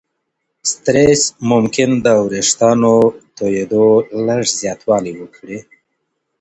سترېس ممکن د وریښتانو توېدو لږ زیاتوالی وکړي.